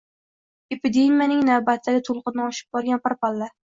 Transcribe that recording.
Epidemiyaning navbatdagi toʻlqini oshib borgan bir palla